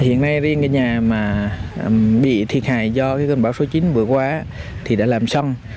hiện nay riêng cái nhà mà bị thiệt hại do cơn bão số chín bữa qua thì đã làm xong